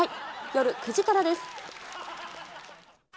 夜９時からです。